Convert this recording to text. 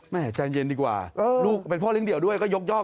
แม่ใจเย็นดีกว่าลูกเป็นพ่อเลี้ยเดี่ยวด้วยก็ยกย่อ